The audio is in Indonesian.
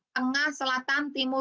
tengah selatan timur